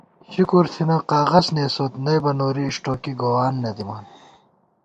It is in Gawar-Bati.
شکر تھنہ کاغذنېسوت نئیبہ نوری اِݭٹوکی گووان نہ دِمان